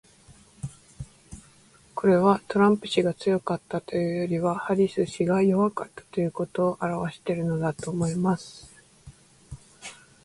これは、トランプ氏が強かったというよりはハリス氏が弱かったということを表してるのだと思います。